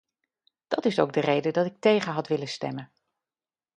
Dat is ook de reden dat ik tegen had willen stemmen.